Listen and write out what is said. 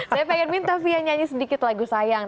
saya pengen minta fia nyanyi sedikit lagu sayang